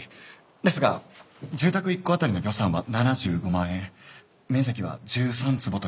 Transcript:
ですが住宅一戸当たりの予算は７５万円面積は１３坪と決まっておりまして。